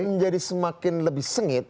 menjadi semakin lebih sengit